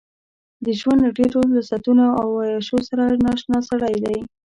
د ژوند له ډېرو لذتونو او عياشيو سره نااشنا سړی دی.